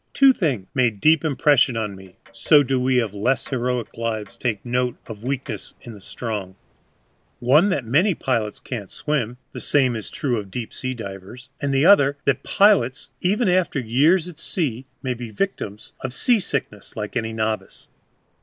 Two things made deep impression on me (so do we of less heroic lives take note of weakness in the strong) one, that many pilots cannot swim (the same is true of deep sea divers), the other, that pilots, even after years at sea, may be victims of seasickness like any novice.